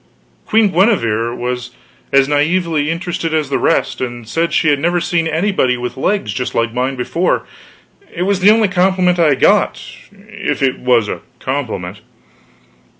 Queen Guenever was as naively interested as the rest, and said she had never seen anybody with legs just like mine before. It was the only compliment I got if it was a compliment.